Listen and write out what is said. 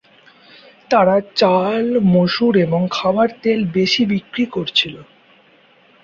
তারা চাল, মসুর এবং খাবার তেল বেশি বিক্রি করছিল।